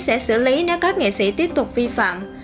sẽ xử lý nếu các nghệ sĩ tiếp tục vi phạm